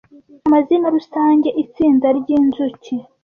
Amazina rusange - Itsinda ryinzuki